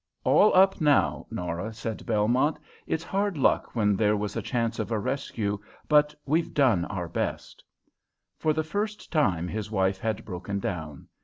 "All up now, Norah," said Belmont. "It's hard luck when there was a chance of a rescue, but we've done our best." For the first time his wife had broken down.